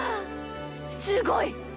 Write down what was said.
すごいっ。